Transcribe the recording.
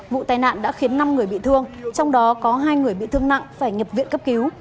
vụ tai nạn đã khiến năm người bị thương trong đó có hai người bị thương nặng phải nhập viện cấp cứu